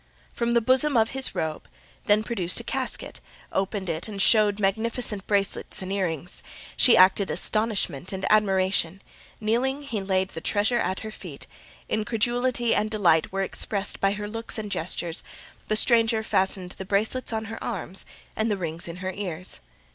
From the bosom of his robe he then produced a casket, opened it and showed magnificent bracelets and earrings; she acted astonishment and admiration; kneeling, he laid the treasure at her feet; incredulity and delight were expressed by her looks and gestures; the stranger fastened the bracelets on her arms and the rings in her ears.